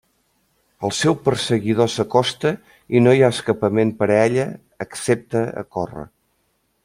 El seu perseguidor s'acosta i no hi ha escapament per a ella excepte a córrer.